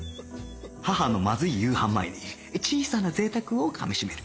母のまずい夕飯前に小さな贅沢をかみ締める